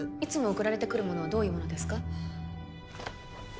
送られてくるものはどういうものですか？